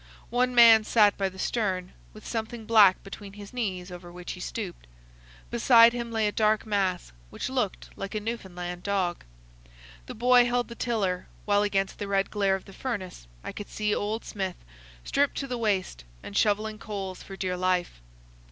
One man sat by the stern, with something black between his knees over which he stooped. Beside him lay a dark mass which looked like a Newfoundland dog. The boy held the tiller, while against the red glare of the furnace I could see old Smith, stripped to the waist, and shovelling coals for dear life.